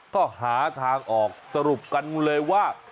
ก็หาทางออกสรุปกันเลยว่า